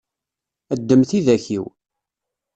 Ddem tidak-iw.